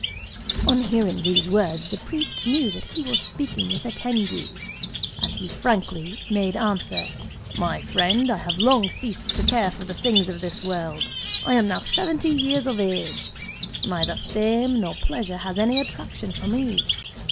On hearing these words, the priest knew that he was speaking with a Tengu; and he frankly made answer:—"My friend, I have long ceased to care for the things of this world: I am now seventy years of age; neither fame nor pleasure has any attraction for me.